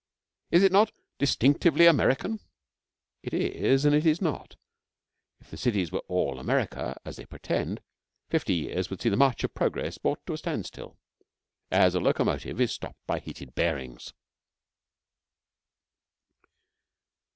Is it not 'distinctively American'? It is, and it is not. If the cities were all America, as they pretend, fifty years would see the March of Progress brought to a standstill, as a locomotive is stopped by heated bearings....